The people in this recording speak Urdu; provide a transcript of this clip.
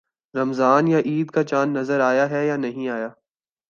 رمضان یا عید کا چاند نظر آیا ہے یا نہیں آیا